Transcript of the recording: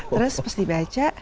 terus pas dibaca